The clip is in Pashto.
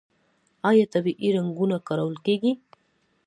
آیا طبیعي رنګونه کارول کیږي؟